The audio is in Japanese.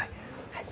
はい。